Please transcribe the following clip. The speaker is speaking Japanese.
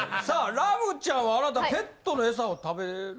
さあＲａＭｕちゃんはあなたペットのエサを食べる？